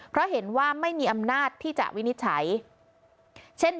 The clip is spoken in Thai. เพราะเห็นว่าไม่มีอำนาจที่จะวินิจฉัย